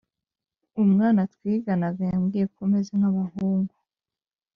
umwana twiganaga yambwiye ko meze nk’abahungu,